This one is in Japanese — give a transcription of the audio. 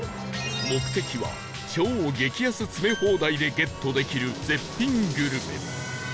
目的は超激安詰め放題でゲットできる絶品グルメ